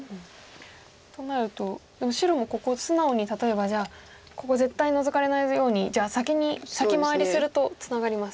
となるとでも白もここ素直に例えばじゃあここ絶対ノゾかれないようにじゃあ先に先回りするとツナがります。